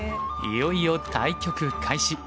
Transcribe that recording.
いよいよ対局開始！